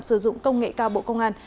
sử dụng công nghệ cao bộ công an